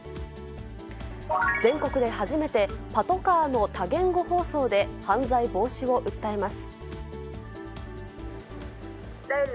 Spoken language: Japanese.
全国で初めて、パトカーの多言語放送で犯罪防止を訴えます。